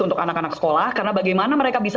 untuk anak anak sekolah karena bagaimana mereka bisa